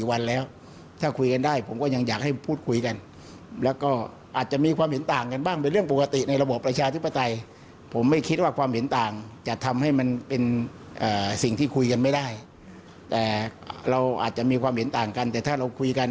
อาจจะมีความเห็นต่างกันแต่ถ้าเราคุยกัน